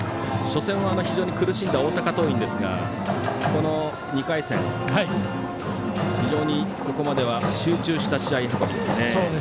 初戦は非常に苦しんだ大阪桐蔭ですがこの２回戦、非常にここまでは集中した試合運びですね。